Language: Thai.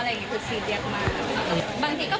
เวลาจะว่างตรงเกิดไหน